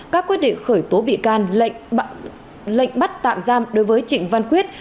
các quyết định khởi tố bị can lệnh bắt tạm giam đối với trịnh văn quyết